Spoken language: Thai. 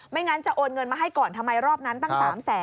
งั้นจะโอนเงินมาให้ก่อนทำไมรอบนั้นตั้ง๓แสน